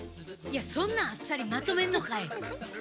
いやそんなあっさりまとめんのかい！